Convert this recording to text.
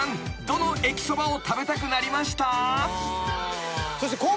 どの駅そばを食べたくなりました？］